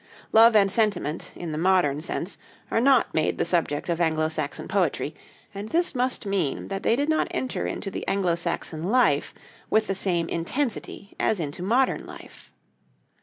Love and sentiment, in the modern sense, are not made the subject of Anglo Saxon poetry, and this must mean that they did not enter into the Anglo Saxon life with the same intensity as into modern life.